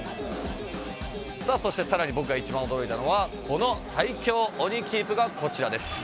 さあそしてさらに僕が一番驚いたのはこの最強鬼キープがこちらです。